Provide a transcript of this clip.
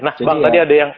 nah bang tadi ada yang